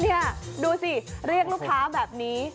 นี่ดูสิเรียกลูกค้าแบบนี้